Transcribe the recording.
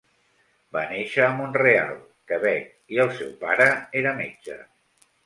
Va néixer a Mont-real, Quebec, i el seu pare era metge.